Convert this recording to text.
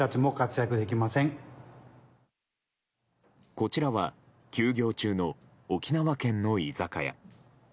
こちらは休業中の沖縄県の居酒屋。